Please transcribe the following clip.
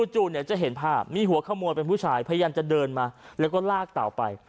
จู่เนี่ยจะเห็นภาพมีหัวขโมยเป็นผู้ชายพยายามจะเดินมาแล้วก็ลากเต่าไป